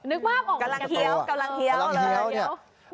นึกมากเหรอจริงจากตัวหรือเปล่ากำลังเฮียวเลย